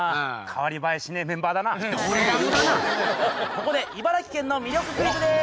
ここで茨城県の魅力クイズです。